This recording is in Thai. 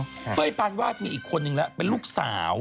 เเบี่ยปานวาดมีอีกคนเองละเป็นลูกสาว